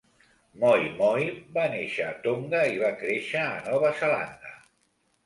Moimoi va nàixer a Tonga i va créixer a Nova Zelanda.